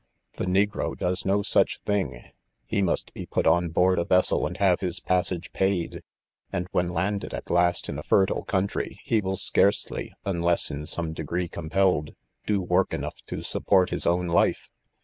The negro docs no such tiling : he must be put op board a vessel and have his passage paid j and when landed at last, in a fertile country, he will scarcely, unless in some degree compelled, do work enough to support his own life.